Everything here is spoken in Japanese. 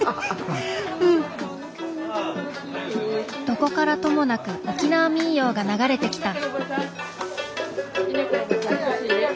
・どこからともなく沖縄民謡が流れてきた。